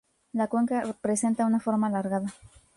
La cuenca presenta una forma alargada.